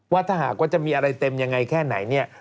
ว่าถ้าหากว่าจะมีอะไรเต็มยังไงแค่ไหนเนี่ย